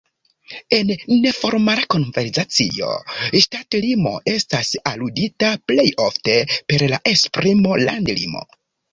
En neformala konversacio ŝtatlimo estas aludita plej ofte per la esprimo landlimo.